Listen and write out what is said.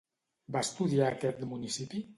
Va estudiar aquest municipi?